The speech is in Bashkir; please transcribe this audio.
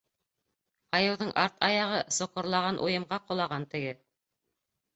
Айыуҙың арт аяғы соҡорлаған уйымға ҡолаған теге.